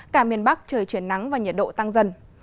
cả miền bắc trời chuyển nắng và nhiệt độ tăng dần